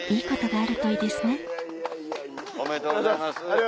ありがとうございます。